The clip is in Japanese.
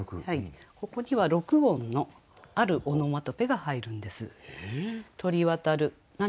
ここには６音のあるオノマトペが入るんです。